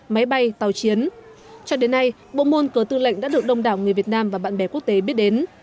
máy bay tàu chiến cho đến nay bộ môn cờ tư lệnh đã được đông đảo người việt nam và bạn bè quốc tế biết đến